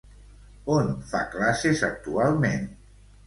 On fa classes actualment?